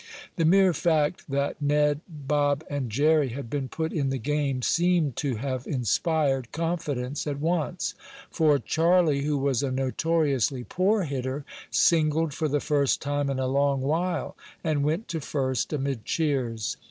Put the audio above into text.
The mere fact that Ned, Bob and Jerry had been put in the game seemed to have inspired confidence at once, for Charlie, who was a notoriously poor hitter, singled for the first time in a long while, and went to first amid cheers.